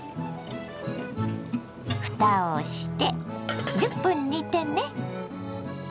ふたをして１０分煮てね。